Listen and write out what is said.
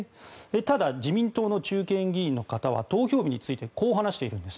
ただ、自民党の中堅議員の方は投票日についてこう話しているんです。